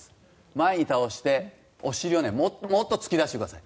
前に倒してお尻をもっと突き出してください。